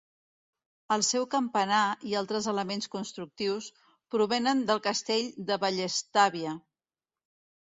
El seu campanar, i altres elements constructius, provenen del Castell de Vallestàvia.